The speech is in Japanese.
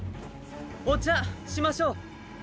お茶しましょう。